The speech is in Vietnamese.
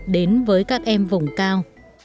đến với các em vùng cao